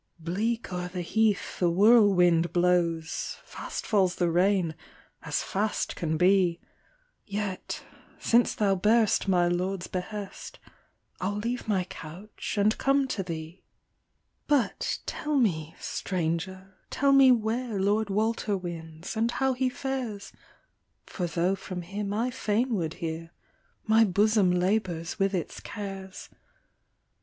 " Bleak o'er the heath the whirlwind blows, Fast falls the rain, as fast can be; Yet, since thou bear'st my Lord's behest, I'll leave my couch, and come to thee. a 114 THE MESSENGER " But tell me, stranger, tell me where Lord Walter wins, and how he fares ; For tho' from him I fain would hear, My bosom labours with its cares.